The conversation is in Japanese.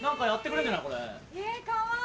かわいい！